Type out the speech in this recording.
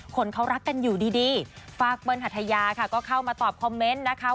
คนเขารักกันอยู่ดีฝากเปิ้ลหัทยาค่ะก็เข้ามาตอบคอมเมนต์นะคะ